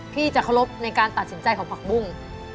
จะเคารพในการตัดสินใจของผักบุ้ง